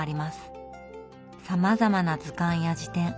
さまざまな図鑑や事典。